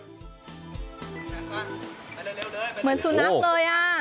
เหมือนสุนัขเลยอ่ะ